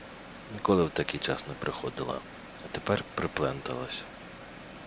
Ніколи в такий час не приходила, а тепер припленталась.